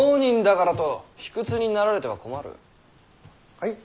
はい？